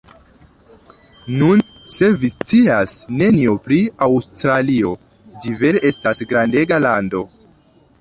Nun, se vi scias nenion pri Aŭstralio, ĝi vere estas grandega lando.